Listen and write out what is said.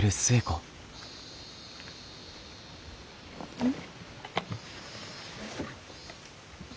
うん？